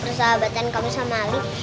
persahabatan kamu sama ali